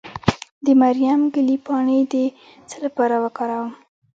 د مریم ګلي پاڼې د څه لپاره وکاروم؟